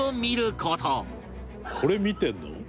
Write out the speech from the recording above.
「これ見てるの？」